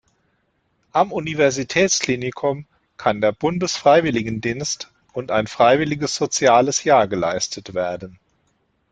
Am Universitätsklinikum kann der Bundesfreiwilligendienst und ein freiwilliges soziales Jahr geleistet werden.